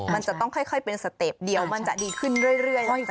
มันจะต้องค่อยเป็นสเต็ปเดี๋ยวมันจะดีขึ้นเรื่อย